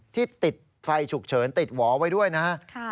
ที่ติดไฟฉุกเฉินติดหวอไว้ด้วยนะครับ